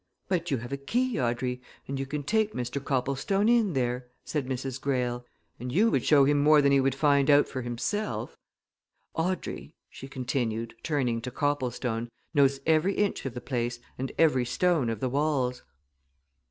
"But you have a key, Audrey, and you can take Mr. Copplestone in there," said Mrs. Greyle. "And you would show him more than he would find out for himself Audrey," she continued, turning to Copplestone, "knows every inch of the place and every stone of the walls."